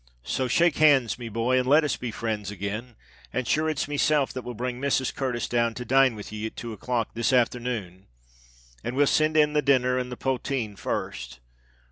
So shake hands, me boy, and let us be frinds again; and sure it's myself that will bring Mrs. Curtis down to dine with ye at two o'clock this afthernoon, and we'll send in the dinner and the potheen first.